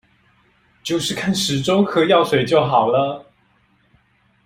就是看時鐘喝藥水就好了